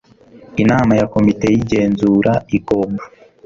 inama ya komite y igenzura igomba